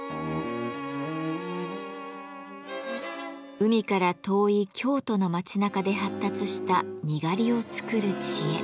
海から遠い京都の町なかで発達したにがりを作る知恵。